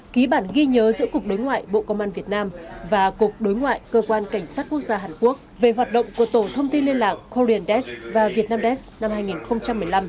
ký bản ghi nhớ giữa cục đối ngoại bộ công an việt nam và cục đối ngoại cơ quan cảnh sát quốc gia hàn quốc về hoạt động của tổ thông tin liên lạc korean desk và vietnam desk năm hai nghìn một mươi năm